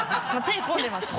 手が込んでます